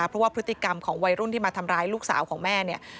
เพราะว่าพฤติกรรมของวัยรุ่นที่มาทำร้ายลูกสาวของแม่เนี่ย